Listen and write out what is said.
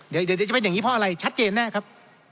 เดี๋ยวจะเป็นอย่างนี้เพราะอะไรชัดเจนแน่ครับ